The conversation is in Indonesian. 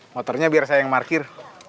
motornya biar saya yang parkir